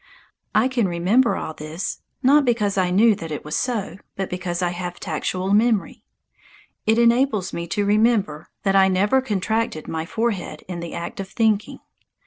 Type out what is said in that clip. I can remember all this, not because I knew that it was so, but because I have tactual memory. It enables me to remember that I never contracted my forehead in the act of thinking.